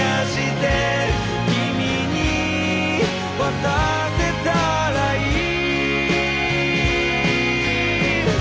「君に渡せたらいい」